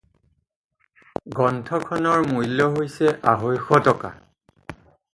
গ্ৰন্থ খনৰ মূল্য হৈছে আঢ়ৈশ টকা।